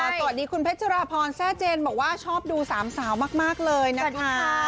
สวัสดีคุณเพชราพรแซ่เจนบอกว่าชอบดูสามสาวมากเลยนะคะ